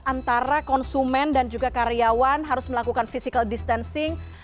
antara konsumen dan juga karyawan harus melakukan physical distancing